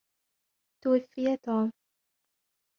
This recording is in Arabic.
توفي توم.